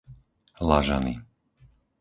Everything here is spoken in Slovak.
Lažany